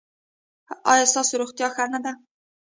ایا ستاسو روغتیا ښه نه ده؟